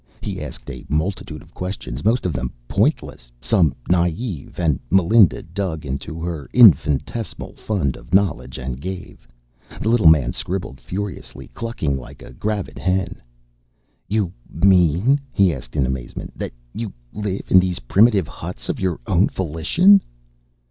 He asked a multitude of questions, most of them pointless, some naive, and Melinda dug into her infinitesimal fund of knowledge and gave. The little man scribbled furiously, clucking like a gravid hen. "You mean," he asked in amazement, "that you live in these primitive huts of your own volition?"